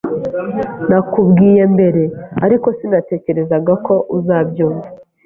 Nakubwiye mbere, ariko sinatekerezaga ko uzabyumva.